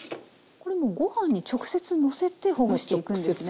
これもうご飯に直接のせてほぐしていくんですね。